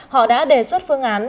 họ đã đề xuất phương án